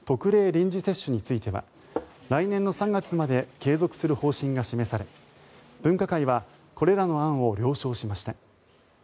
臨時接種については来年の３月まで継続する方針が示され分科会はこれらの案を了承しました。